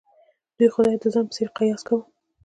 دوی خدای د ځان په څېر قیاس کاوه.